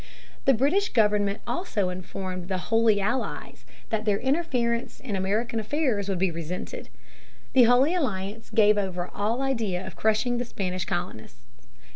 The British government also informed the Holy Allies that their interference in American affairs would be resented. The Holy Alliance gave over all idea of crushing the Spanish colonists.